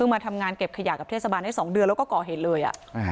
มาทำงานเก็บขยะกับเทศบาลได้๒เดือนแล้วก็ก่อเหตุเลย